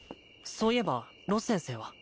そういえばロス先生は？